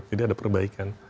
jadi ada perbaikan